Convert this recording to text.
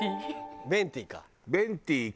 ベンティ。